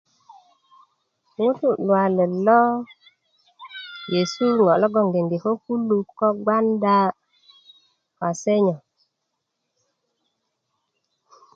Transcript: ŋutu luwalet lo yesu ŋo' lo gbeŋge ko kuluk ko gbanda kase nyo